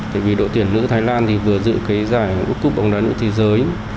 tại vì đội tuyển nữ thái lan vừa dự cái giải quốc cung bóng đá nữ thế giới